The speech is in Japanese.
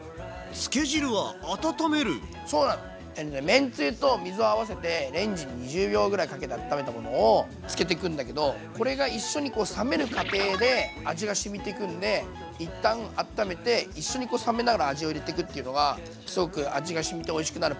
めんつゆと水を合わせてレンジに２０秒ぐらいかけてあっためたものをつけてくんだけどこれが一緒にこう冷める過程で味がしみていくんで一旦あっためて一緒に冷めながら味を入れていくっていうのがすごく味がしみておいしくなるポイントなんで是非。